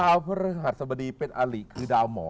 พระฤหัสบดีเป็นอลิคือดาวหมอ